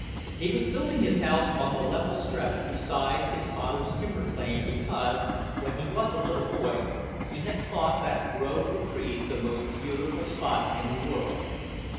He was building his house on the level stretch beside his father's timber claim because, when he was a little boy, he had thought that grove of trees the most beautiful spot in the world.